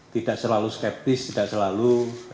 tidak selalu skeptis tidak selalu